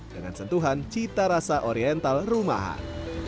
dengan sentuhan cita rasa oriental rumahan